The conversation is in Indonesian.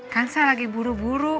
kan saya lagi buru buru